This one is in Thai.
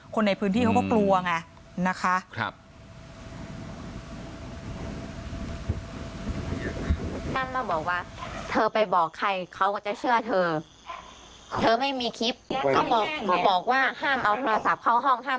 คนในพื้นที่เขาก็กลัวไงนะคะ